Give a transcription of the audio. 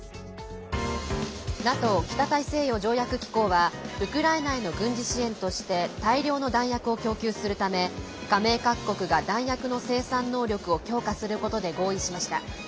ＮＡＴＯ＝北大西洋条約機構はウクライナへの軍事支援として大量の弾薬を供給するため加盟各国が弾薬の生産能力を強化することで合意しました。